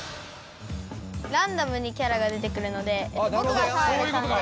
ランダムにキャラが出てくるので僕が澤部さんで。